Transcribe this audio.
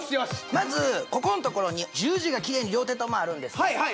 まずここのところに十字がきれいに両手ともあるんですはい